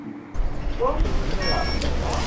আমরা আগেই খেয়েছি।